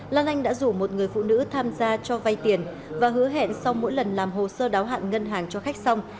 lan anh đã rủ một người phụ nữ tham gia cho vai tiền và hứa hẹn song mỗi lần làm hồ sơ đáo hạn ngân hàng cho khách song